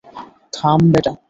থাম, বেটা!